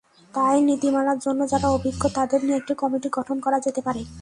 তাই নীতিমালার জন্য যাঁরা অভিজ্ঞ, তাঁদের নিয়ে কমিটি গঠন করা যেতে পারে।